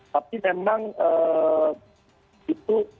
tapi memang itu